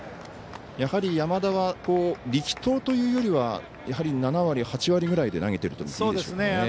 やはり山田は力投というよりは７割、８割ぐらいで投げているでしょうかね。